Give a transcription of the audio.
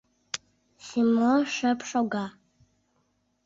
Симош шып шога.